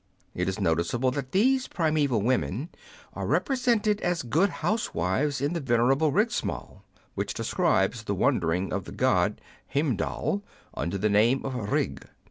It is noticeable that these primeval women are represented as good housewives in the venerable Rigsmal, which describes the wanderings of the god Heimdal, under the name of Rig.